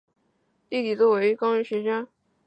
弟弟为作家武野光。